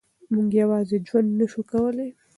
موږ یوازې ژوند نه شو کولای.